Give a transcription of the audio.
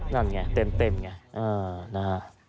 นั่นไงเต็มไงนะฮะ